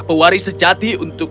pewaris sejati untuk